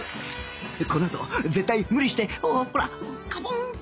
このあと絶対無理してほほらカポンッて。